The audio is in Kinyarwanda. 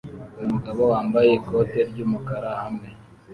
Umugabo wambaye ikote ryumukara hamwe